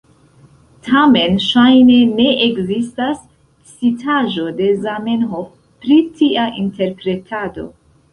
Tamen ŝajne ne ekzistas citaĵo de Zamenhof pri tia interpretado.